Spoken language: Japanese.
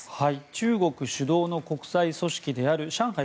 中国主導の国際組織である上海